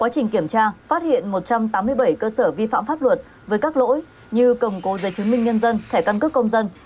kiểm tra phát hiện một trăm tám mươi bảy cơ sở vi phạm pháp luật với các lỗi như cầm cố giấy chứng minh nhân dân thẻ căn cước công dân